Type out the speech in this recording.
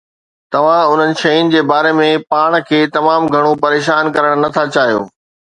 توهان انهن شين جي باري ۾ پاڻ کي تمام گهڻو پريشان ڪرڻ نٿا چاهيون